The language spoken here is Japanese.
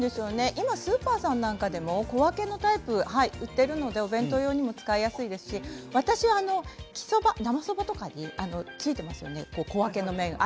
今スーパーさんなんかでも小分けのタイプを売っているのでお弁当用にも使いやすいですし私は、生そばですね付いていますよね、小分けの麺が。